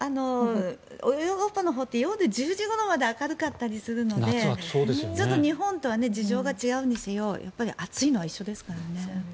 ヨーロッパのほうって夜１０時ごろまで明るかったりするのでちょっと日本とは事情が違うにせよ暑いのは一緒ですからね。